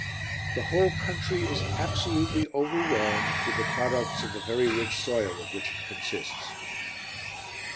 The whole country is absolutely overwhelmed with the products of the very rich soil of which it consists.